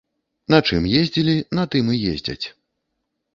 На чым ездзілі, на тым і ездзяць.